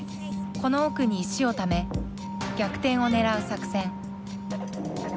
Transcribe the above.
この奥に石をため逆転をねらう作戦。